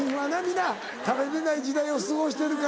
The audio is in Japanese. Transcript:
皆食べれない時代を過ごしてるから。